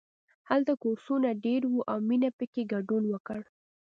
هلته کورسونه ډېر وو او مینې پکې ګډون وکړ